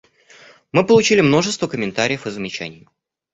Мы получили множество комментариев и замечаний.